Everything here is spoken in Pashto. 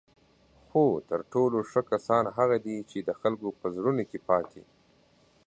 خو تر ټولو ښه کسان هغه دي چی د خلکو په زړونو کې پاتې